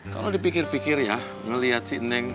kalau dipikir pikir ya melihat si neng